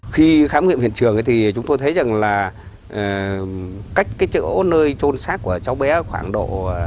khi khám nghiệm hiện trường thì chúng tôi thấy rằng là cách cái chỗ nơi trôn sát của cháu bé khoảng độ